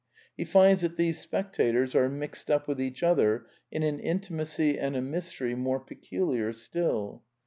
He finds that these spectators are mixed up with each other in an intimacy and a mystery more ^peculiar still.